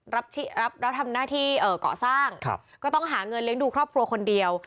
รับทำหน้าที่เกาะสร้างก็ต้องหาเงินเลี้ยงดูครอบครัวคนเดียว